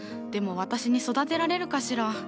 でも私に育てられるかしら？